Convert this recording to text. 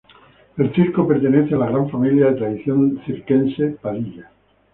El circo pertenece a la gran familia de tradición circense Padilla.